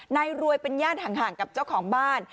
นายรวยเป็นญาติห่างกับเจ้าของบ้าน